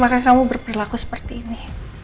maka kamu berperilaku seperti ini